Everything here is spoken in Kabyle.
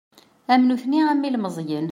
Am nutni am yilmeẓyen.